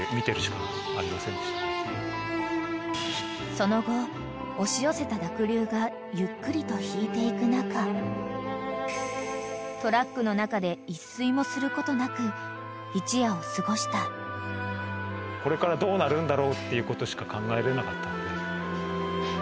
［その後押し寄せた濁流がゆっくりと引いていく中トラックの中で一睡もすることなく一夜を過ごした］っていうことしか考えれなかったんで。